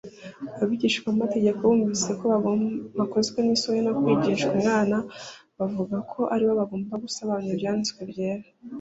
. Abigisha mategeko bumvise bakozwe n’isoni kwigishwa n’umwana. Bavugaga ko aribo bagomba gusobanura Ibyanditswe Byera